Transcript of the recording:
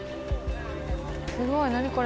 すごい。何これ？